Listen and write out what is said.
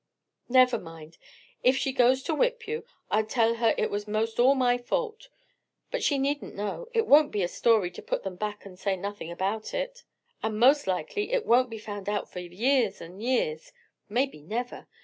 "Never mind: if she goes to whip you, I'll tell her it was 'most all my fault. But she needn't know: it won't be a story to put them back and say nothing about it. And most likely it won't be found out for years and years; maybe never.